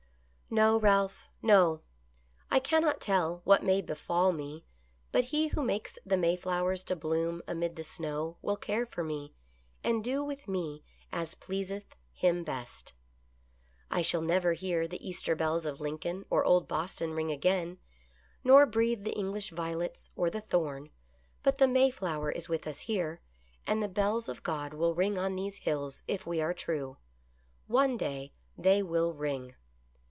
"No, Ralph, no! I cannot tell what may befall me, but He who makes the Mayflowers to bloom amid the snow will care for me, and do with me as pleaseth Him best. I shall never hear the Easter bells of Lincoln or old Boston ring again, nor breathe the English violets or the thorn, but the Mayflower is with us here, and the bells of God will ring on these hills if we are true ; one THE PILGRIMS EASTER LILY. II7 day they will ring.